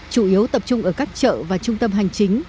chủ yếu tập trung ở các chợ và trung tâm hành chính